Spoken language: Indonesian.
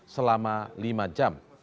selama lima jam